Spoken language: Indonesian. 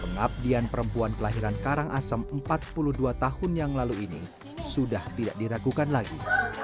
pengabdian perempuan kelahiran karangasem empat puluh dua tahun yang lalu ini sudah tidak diragukan lagi